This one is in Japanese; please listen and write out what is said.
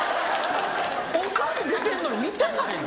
おかん出てんのに見てないの？